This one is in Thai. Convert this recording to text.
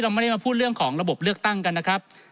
ไม่ได้มาพูดเรื่องของระบบเลือกตั้งกันนะครับ